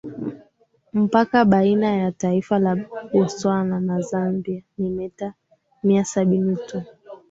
Mpaka baina ya taifa la Botswana na Zambia ni meta mia saba tu